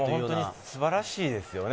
素晴らしいですね。